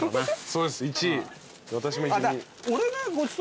そうです１位。